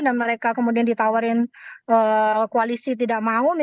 dan mereka kemudian ditawarin koalisi tidak mau